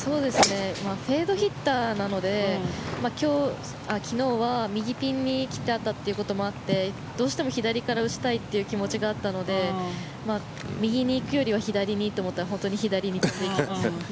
フェードヒッターなので昨日は右ピンに切ってあったということもあってどうしても左から打ちたいという気持ちがあったので右に行くよりは左にと思ったら本当に左に。